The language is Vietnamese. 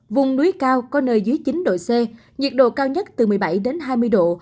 vùng núi cao có nơi dưới chín độ c nhiệt độ cao nhất từ một mươi bảy đến hai mươi độ